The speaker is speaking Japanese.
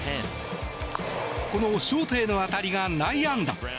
このショートへの当たりが内野安打。